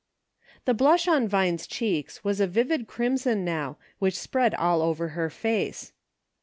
THE blush on Vine's cheeks was a vivid crim son now, which spread all over her face.